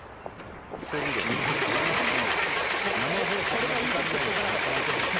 これが言いたくてしょうがなかった。